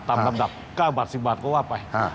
ลำดับ๙บาท๑๐บาทก็ว่าไป